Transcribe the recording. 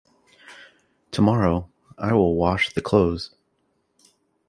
Tomorrow, I will wash the clothes.